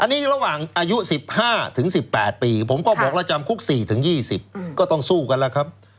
อันนี้ระหว่างอายุ๑๕ถึง๑๘ปีผมก็บอกแล้วจำคุก๔๒๐ก็ต้องสู้กันแล้วครับ